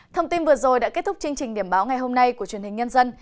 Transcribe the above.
thông tin vừa rồi đã kết thúc chương trình điểm báo ngày hôm nay của truyền hình nhân dân